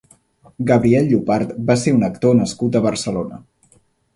Gabriel Llopart va ser un actor nascut a Barcelona.